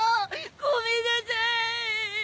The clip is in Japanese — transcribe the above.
ごめんなさい！